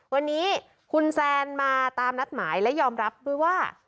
วันนี้คุณแซนมาตามนัดหมายและยอมรับด้วยว่า